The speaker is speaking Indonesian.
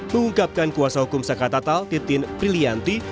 mengungkapkan kuasa hukum saka tatal titin prilianti